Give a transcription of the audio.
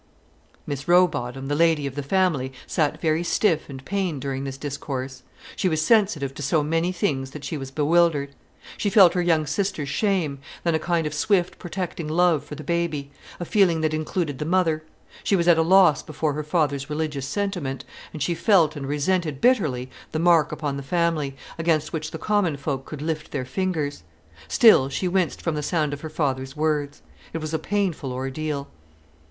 Miss Rowbotham, the lady of the family, sat very stiff and pained during this discourse. She was sensitive to so many things that she was bewildered. She felt her young sister's shame, then a kind of swift protecting love for the baby, a feeling that included the mother; she was at a loss before her father's religious sentiment, and she felt and resented bitterly the mark upon the family, against which the common folk could lift their fingers. Still she winced from the sound of her father's words. It was a painful ordeal.